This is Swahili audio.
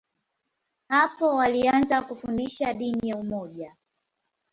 Hapo alianza kufundisha dini ya umoja.